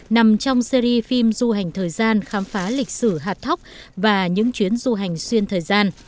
nằm trong series phim du hành thời gian khám phá lịch sử hạt thóc và những chuyến du hành xuyên thời gian